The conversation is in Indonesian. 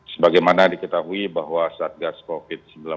sebagaimana diketahui bahwa saat gas covid sembilan belas